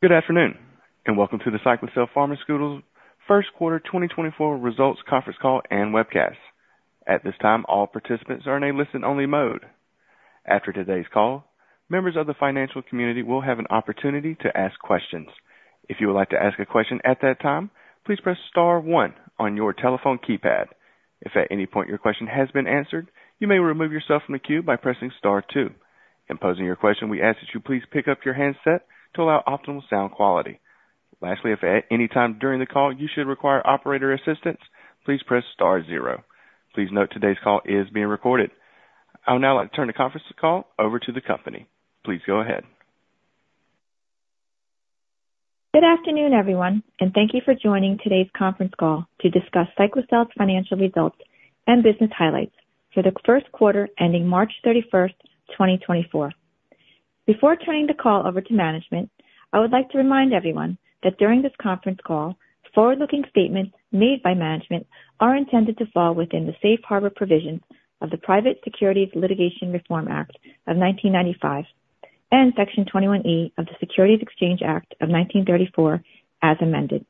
Good afternoon and welcome to the Cyclacel Pharmaceuticals' first quarter 2024 results conference call and webcast. At this time, all participants are in a listen-only mode. After today's call, members of the financial community will have an opportunity to ask questions. If you would like to ask a question at that time, please press Star one on your telephone keypad. If at any point your question has been answered, you may remove yourself from the queue by pressing Star two. In posing your question, we ask that you please pick up your handset to allow optimal sound quality. Lastly, if at any time during the call you should require operator assistance, please press Star zero. Please note today's call is being recorded. I will now turn the conference call over to the company. Please go ahead. Good afternoon, everyone, and thank you for joining today's conference call to discuss Cyclacel's financial results and business highlights for the first quarter ending March 31st, 2024. Before turning the call over to management, I would like to remind everyone that during this conference call, forward-looking statements made by management are intended to fall within the Safe Harbor provisions of the Private Securities Litigation Reform Act of 1995 and Section 21E of the Securities Exchange Act of 1934 as amended.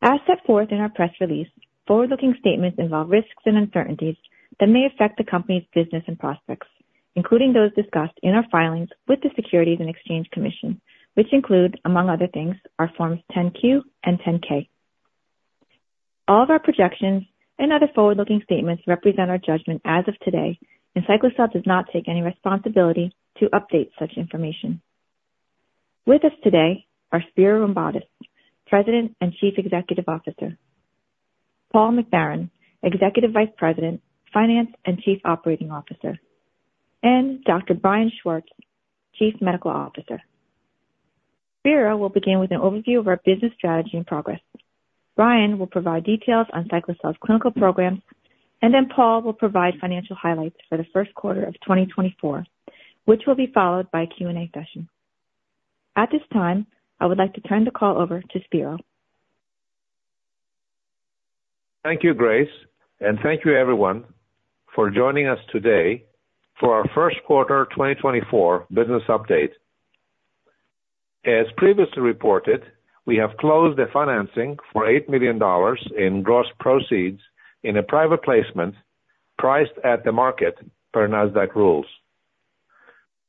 As set forth in our press release, forward-looking statements involve risks and uncertainties that may affect the company's business and prospects, including those discussed in our filings with the Securities and Exchange Commission, which include, among other things, our Forms 10-Q and 10-K. All of our projections and other forward-looking statements represent our judgment as of today, and Cyclacel does not take any responsibility to update such information. With us today are Spiro Rombotis, President and Chief Executive Officer, Paul McBarron, Executive Vice President, Finance and Chief Operating Officer, and Dr. Brian Schwartz, Chief Medical Officer. Spiro will begin with an overview of our business strategy and progress. Brian will provide details on Cyclacel's clinical programs, and then Paul will provide financial highlights for the first quarter of 2024, which will be followed by a Q&A session. At this time, I would like to turn the call over to Spiro. Thank you, Grace, and thank you, everyone, for joining us today for our first quarter 2024 business update. As previously reported, we have closed the financing for $8 million in gross proceeds in a private placement priced at the market per Nasdaq rules.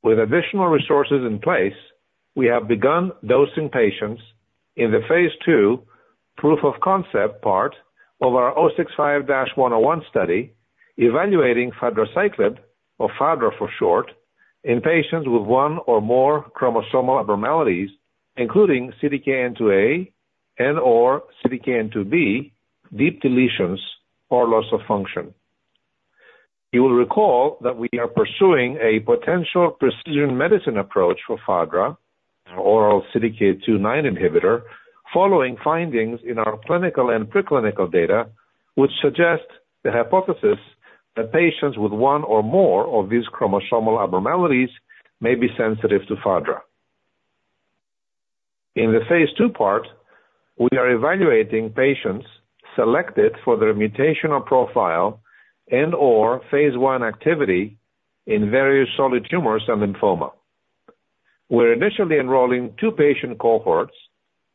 With additional resources in place, we have begun dosing patients in the phase II proof-of-concept part of our 065-101 study evaluating fadraciclib, or Fadra for short, in patients with one or more chromosomal abnormalities, including CDKN2A and/or CDKN2B deep deletions or loss of function. You will recall that we are pursuing a potential precision medicine approach for Fadra oral CDK2/9 inhibitor, following findings in our clinical and preclinical data which suggest the hypothesis that patients with one or more of these chromosomal abnormalities may be sensitive to Fadra. In the phase II part, we are evaluating patients selected for their mutational profile and/or phase I activity in various solid tumors and lymphoma. We're initially enrolling two patient cohorts,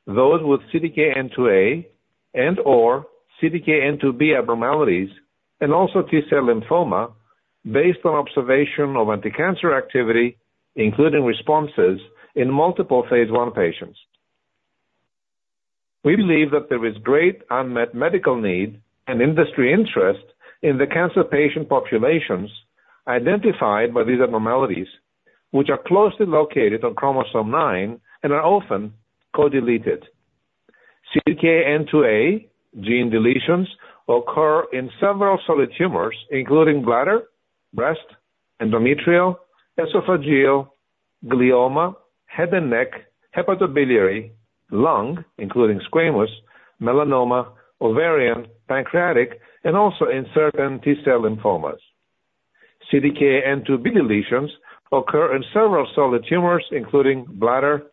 those with CDKN2A and/or CDKN2B abnormalities and also T-cell lymphoma, based on observation of anticancer activity, including responses, in multiple phase I patients. We believe that there is great unmet medical need and industry interest in the cancer patient populations identified by these abnormalities, which are closely located on chromosome nine and are often co-deleted. CDKN2A gene deletions occur in several solid tumors, including bladder, breast, endometrial, esophageal, glioma, head and neck, hepatobiliary, lung, including squamous, melanoma, ovarian, pancreatic, and also in certain T-cell lymphomas. CDKN2B deletions occur in several solid tumors, including bladder,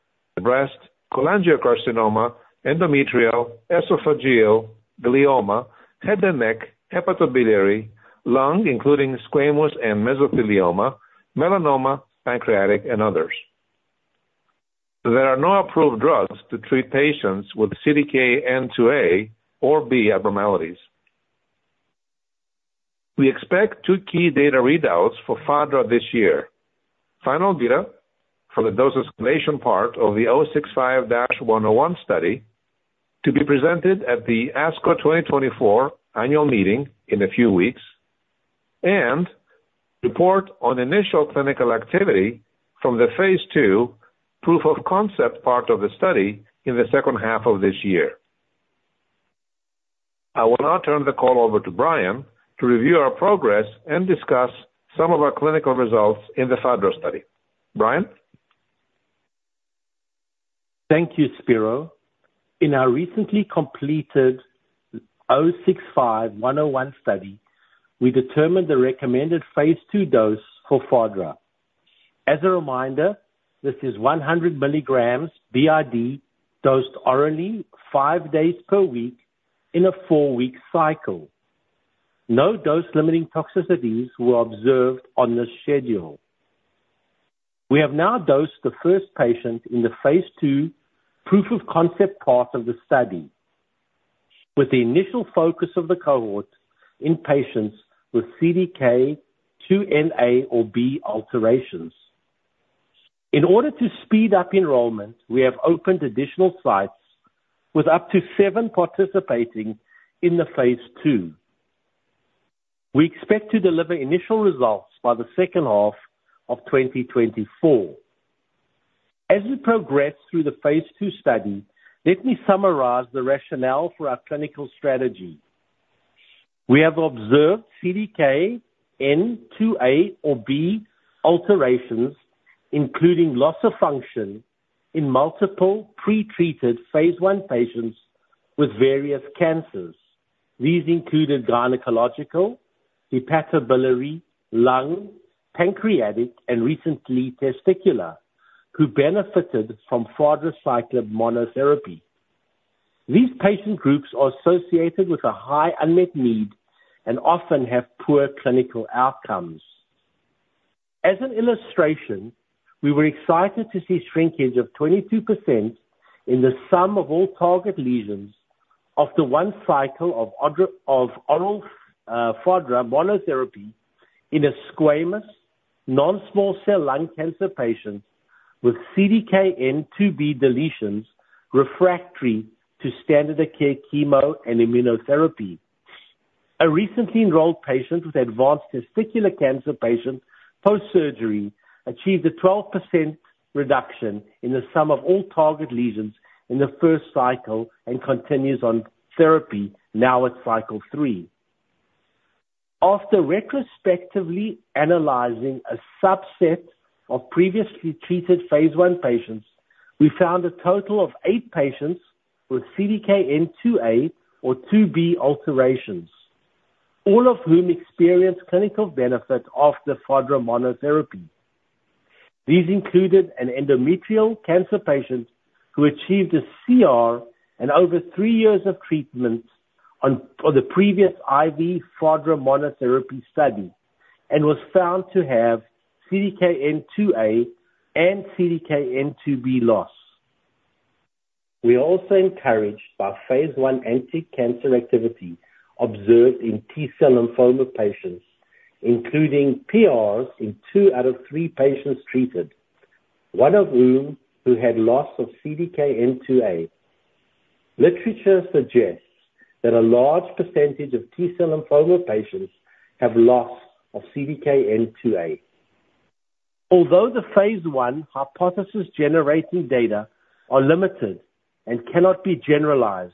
breast, cholangiocarcinoma, endometrial, esophageal, glioma, head and neck, hepatobiliary, lung, including squamous and mesothelioma, melanoma, pancreatic, and others. There are no approved drugs to treat patients with CDKN2A or CDKN2B abnormalities. We expect two key data readouts for Fadra this year. Final data for the dose escalation part of the 065-101 study to be presented at the ASCO 2024 annual meeting in a few weeks, and report on initial clinical activity from the phase II proof-of-concept part of the study in the second half of this year. I will now turn the call over to Brian to review our progress and discuss some of our clinical results in the Fadra study. Brian? Thank you, Spiro. In our recently completed 065-101 study, we determined the recommended phase II dose for Fadra. As a reminder, this is 100 milligrams b.i.d. dosed orally, five days per week, in a four-week cycle. No dose-limiting toxicities were observed on this schedule. We have now dosed the first patient in the phase II proof-of-concept part of the study, with the initial focus of the cohort in patients with CDKN2A or B alterations. In order to speed up enrollment, we have opened additional sites with up to seven participating in the phase II. We expect to deliver initial results by the second half of 2024. As we progress through the phase II study, let me summarize the rationale for our clinical strategy. We have observed CDKN2A or B alterations, including loss of function in multiple pre-treated phase Ipatients with various cancers. These included gynecological, hepatobiliary, lung, pancreatic, and recently testicular, who benefited from fadraciclib monotherapy. These patient groups are associated with a high unmet need and often have poor clinical outcomes. As an illustration, we were excited to see shrinkage of 22% in the sum of all target lesions of the one cycle of oral Fadra monotherapy in a squamous, non-small cell lung cancer patient with CDKN2B deletions refractory to standard-of-care chemo and immunotherapy. A recently enrolled patient with advanced testicular cancer post-surgery achieved a 12% reduction in the sum of all target lesions in the first cycle and continues on therapy now at cycle 3. After retrospectively analyzing a subset of previously treated phase I patients, we found a total of eight patients with CDKN2A or 2B alterations, all of whom experienced clinical benefit after Fadra monotherapy. These included an endometrial cancer patient who achieved a CR and over three years of treatment for the previous IV Fadra monotherapy study and was found to have CDKN2A and CDKN2B loss. We are also encouraged by phase I anticancer activity observed in T-cell lymphoma patients, including PRs in two out of three patients treated, one of whom had loss of CDKN2A. Literature suggests that a large percentage of T-cell lymphoma patients have loss of CDKN2A. Although the phase I hypothesis-generating data are limited and cannot be generalized,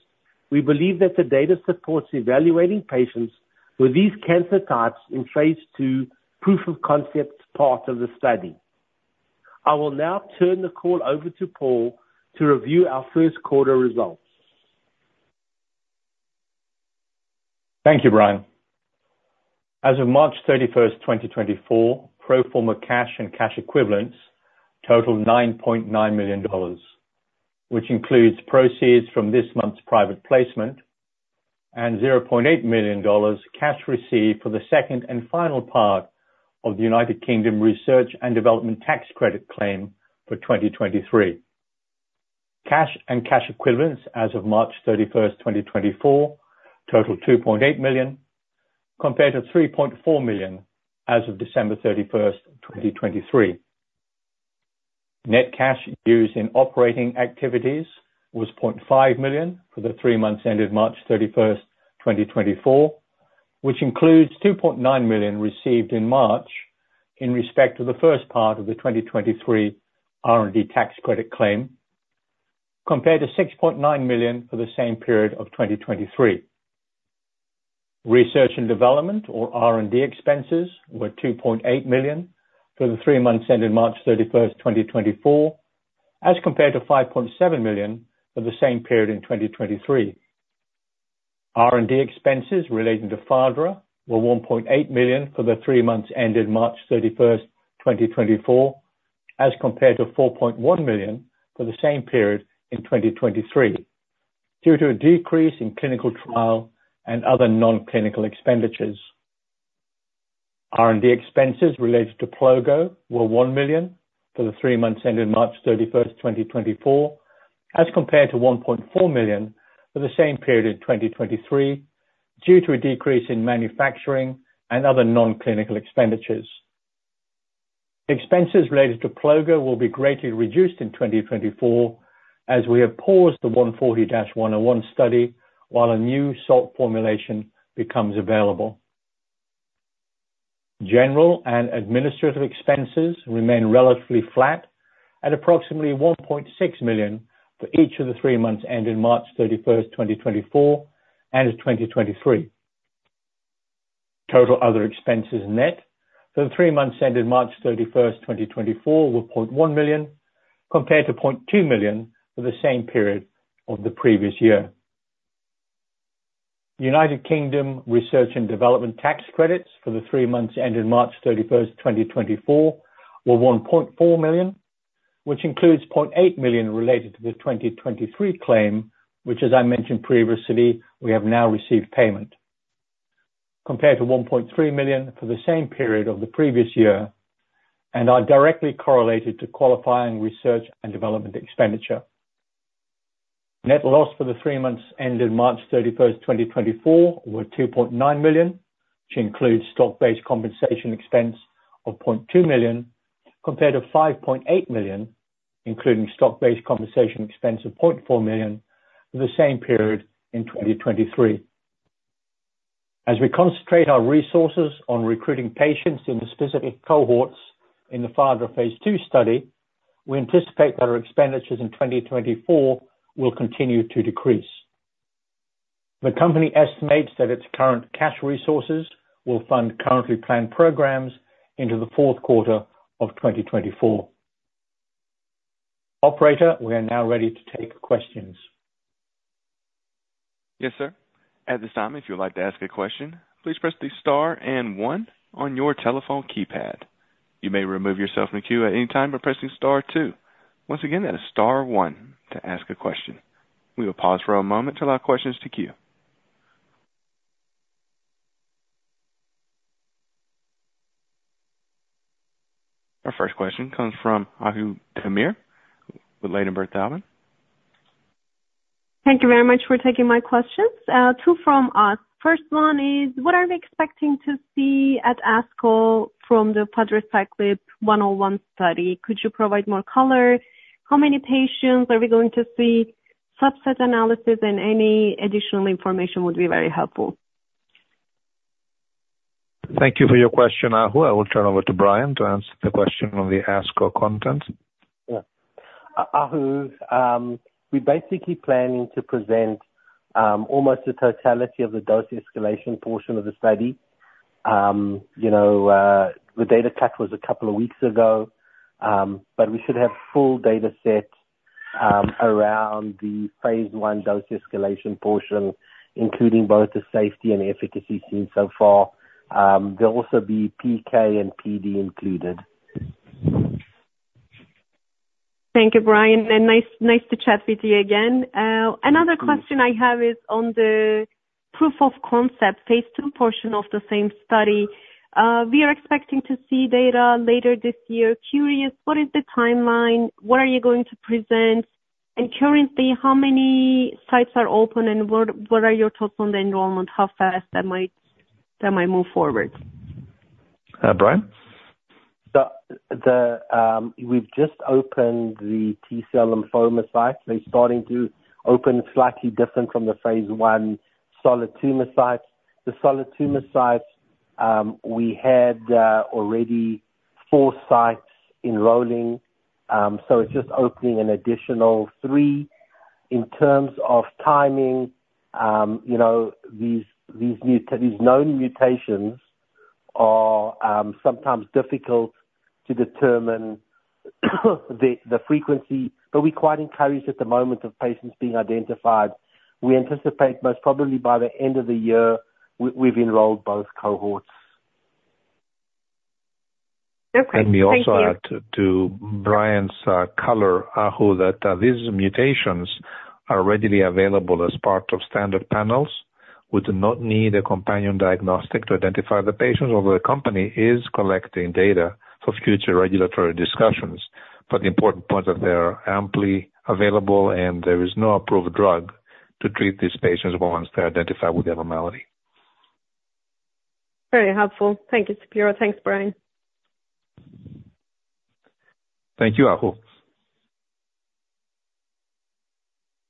we believe that the data supports evaluating patients with these cancer types in phase II proof-of-concept part of the study. I will now turn the call over to Paul to review our first quarter results. Thank you, Brian. As of March 31st, 2024, pro forma cash and cash equivalents totaled $9.9 million, which includes proceeds from this month's private placement and $0.8 million cash received for the second and final part of the United Kingdom Research and Development Tax Credit claim for 2023. Cash and cash equivalents as of March 31st, 2024 totaled $2.8 million, compared to $3.4 million as of December 31st, 2023. Net cash used in operating activities was $0.5 million for the three months ended March 31st, 2024, which includes $2.9 million received in March in respect to the first part of the 2023 R&D Tax Credit claim, compared to $6.9 million for the same period of 2023. Research and Development, or R&D, expenses were $2.8 million for the three months ended March 31st, 2024, as compared to $5.7 million for the same period in 2023. R&D expenses relating to Fadra were $1.8 million for the three months ended March 31st, 2024, as compared to $4.1 million for the same period in 2023 due to a decrease in clinical trial and other non-clinical expenditures. R&D expenses related to Plogo were $1 million for the three months ended March 31st, 2024, as compared to $1.4 million for the same period in 2023 due to a decrease in manufacturing and other non-clinical expenditures. Expenses related to Plogo will be greatly reduced in 2024 as we have paused the 140-101 study while a new salt formulation becomes available. General and administrative expenses remain relatively flat at approximately $1.6 million for each of the three months ended March 31st, 2024, and 2023. Total other expenses net for the three months ended March 31st, 2024 were $0.1 million, compared to $0.2 million for the same period of the previous year. United Kingdom Research and Development Tax Credits for the three months ended March 31st, 2024 were $1.4 million, which includes $0.8 million related to the 2023 claim, which, as I mentioned previously, we have now received payment, compared to $1.3 million for the same period of the previous year and are directly correlated to qualifying Research and Development expenditure. Net loss for the three months ended March 31st, 2024, were $2.9 million, which includes stock-based compensation expense of $0.2 million, compared to $5.8 million, including stock-based compensation expense of $0.4 million for the same period in 2023. As we concentrate our resources on recruiting patients in the specific cohorts in the Fadra phase II study, we anticipate that our expenditures in 2024 will continue to decrease. The company estimates that its current cash resources will fund currently planned programs into the fourth quarter of 2024. Operator, we are now ready to take questions. Yes, sir. At this time, if you would like to ask a question, please press the Star and one on your telephone keypad. You may remove yourself from the queue at any time by pressing Star two. Once again, that is Star one to ask a question. We will pause for a moment to allow questions to queue. Our first question comes from Ahu Demir with Ladenburg Thalmann. Thank you very much for taking my questions. Two from us. First one is, what are we expecting to see at ASCO from the fadraciclib 101 study? Could you provide more color? How many patients are we going to see? Subset analysis and any additional information would be very helpful. Thank you for your question, Ahu. I will turn over to Brian to answer the question on the ASCO content. Ahu, we're basically planning to present almost the totality of the dose escalation portion of the study. The data cut was a couple of weeks ago, but we should have full data set around the phase I dose escalation portion, including both the safety and efficacy seen so far. There'll also be PK/PD included. Thank you, Brian. Nice to chat with you again. Another question I have is on the proof-of-concept phase II portion of the same study. We are expecting to see data later this year. Curious, what is the timeline? What are you going to present? And currently, how many sites are open, and what are your thoughts on the enrollment? How fast that might move forward? Brian? We've just opened the T-cell lymphoma site. They're starting to open slightly different from the phase I solid tumor sites. The solid tumor sites, we had already 4 sites enrolling, so it's just opening an additional 3. In terms of timing, these known mutations are sometimes difficult to determine the frequency, but we quite encourage at the moment of patients being identified. We anticipate most probably by the end of the year, we've enrolled both cohorts. And we also add to Brian's color, Ahu, that these mutations are readily available as part of standard panels. We do not need a companion diagnostic to identify the patients, although the company is collecting data for future regulatory discussions. But the important point is that they are amply available, and there is no approved drug to treat these patients once they're identified with the abnormality. Very helpful. Thank you, Spiro. Thanks, Brian. Thank you, Ahu.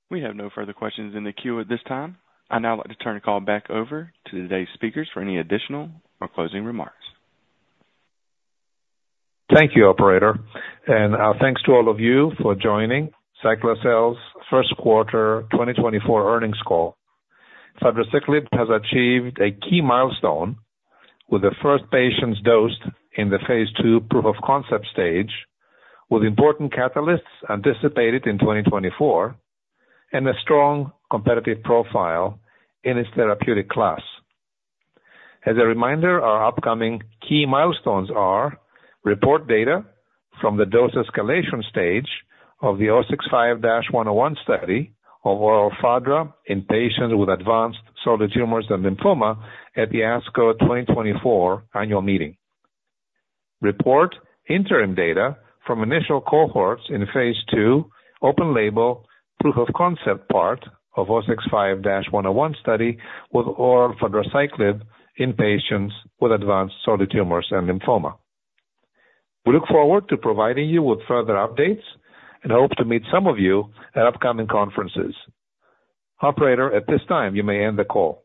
We have no further questions in the queue at this time. I'd now like to turn the call back over to today's speakers for any additional or closing remarks. Thank you, Operator. Thanks to all of you for joining Cyclacel's first quarter 2024 earnings call. Fadraciclib has achieved a key milestone with the first patient dosed in the phase II proof-of-concept stage, with important catalysts anticipated in 2024 and a strong competitive profile in its therapeutic class. As a reminder, our upcoming key milestones are: report data from the dose escalation stage of the 065-101 study of oral Fadra in patients with advanced solid tumors and lymphoma at the ASCO 2024 annual meeting. Report interim data from initial cohorts in phase II open-label proof-of-concept part of 065-101 study with oral fadraciclib in patients with advanced solid tumors and lymphoma. We look forward to providing you with further updates and hope to meet some of you at upcoming conferences. Operator, at this time, you may end the call.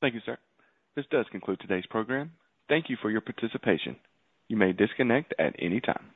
Thank you, sir. This does conclude today's program. Thank you for your participation. You may disconnect at any time.